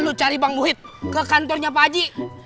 lo cari bang muhid ke kantornya pak haji